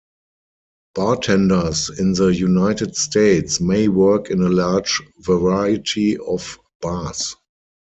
Bartenders in the United States may work in a large variety of bars.